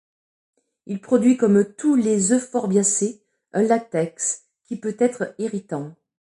Il produit comme tous les euphorbiacés un latex qui peut être irritant.